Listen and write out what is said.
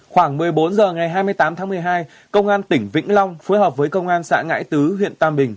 khoảng một mươi bốn h ngày hai mươi tám tháng một mươi hai công an tỉnh vĩnh long phối hợp với công an xã ngãi tứ huyện tam bình